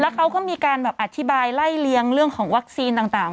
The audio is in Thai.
เขาก็มีการแบบอธิบายไล่เลี้ยงเรื่องของวัคซีนต่าง